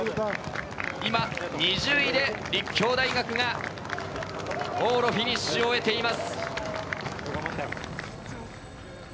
今、２０位で立教大学が往路フィニッシュしています。